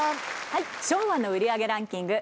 はい昭和の売り上げランキング